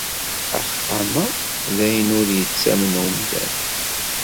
Axxam-a d ayen ur yettamen umdan.